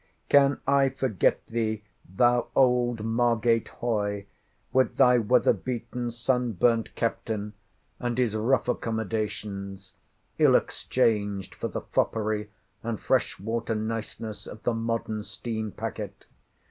Can I forget thee, thou old Margate Hoy, with thy weather beaten, sun burnt captain, and his rough accommodations—ill exchanged for the foppery and fresh water niceness of the modern steam packet?